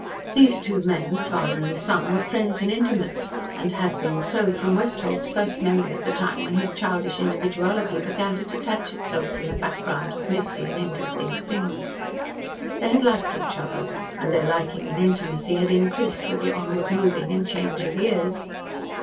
These two men father and son were friends and intimates, and had been so from Westholt's first memory of the time when his childish individuality began to detach itself from the background of misty and indistinct things. They had liked each other, and their liking and intimacy had increased with the onward moving and change of years.